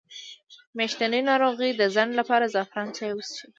د میاشتنۍ ناروغۍ د ځنډ لپاره د زعفران چای وڅښئ